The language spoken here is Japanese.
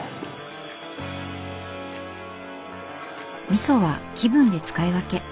みそは気分で使い分け。